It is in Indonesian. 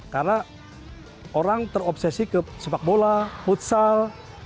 karena orang terobsesi ke sepak bola futsal